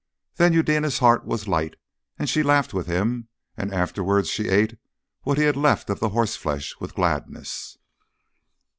Then Eudena's heart was light, and she laughed with him; and afterwards she ate what he had left of the horseflesh with gladness.